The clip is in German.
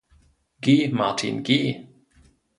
Geh, Martin. Geh!